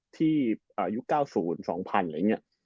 ที่ยุค๙๐๒๐๐๐อะไรอย่างนี้